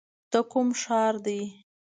د کوم ښار دی ؟